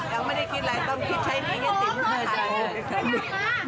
ยังไม่ได้คิดอะไรต้องคิดใช้หนี้สิน